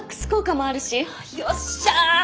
よっしゃ！